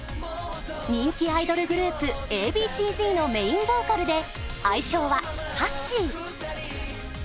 人気アイドルグループＡ．Ｂ．Ｃ−Ｚのメインボーカルで相性は、はっしー。